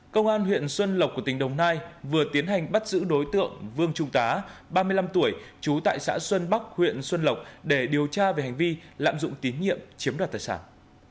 công an huyện xuân lộc của tỉnh đồng nai vừa tiến hành bắt giữ đối tượng vương trung tá ba mươi năm tuổi trú tại xã xuân bắc huyện xuân lộc để điều tra về hành vi lạm dụng tín nhiệm chiếm đoạt tài sản